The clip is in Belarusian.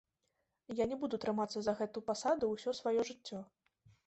Я не буду трымацца за гэту пасаду ўсё сваё жыццё.